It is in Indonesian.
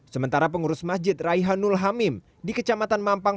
sementara pengurus masjid raihanul hamim di kecamatan mampang